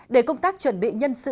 để công tác chuẩn bị nhân sự